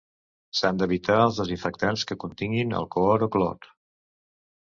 S'han d'evitar els desinfectants que continguin alcohol o clor.